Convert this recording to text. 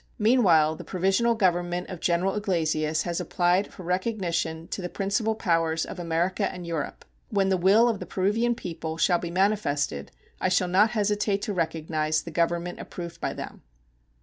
Meanwhile the provisional government of General Iglesias has applied for recognition to the principal powers of America and Europe. When the will of the Peruvian people shall be manifested, I shall not hesitate to recognize the government approved by them.